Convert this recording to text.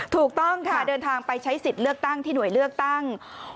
ถูกต้องค่ะเดินทางไปใช้สิทธิ์เลือกตั้งที่หน่วยเลือกตั้ง